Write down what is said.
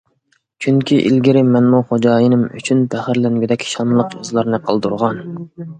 چۈنكى، ئىلگىرى مەنمۇ خوجايىنىم ئۈچۈن پەخىرلەنگۈدەك شانلىق ئىزلارنى قالدۇرغان.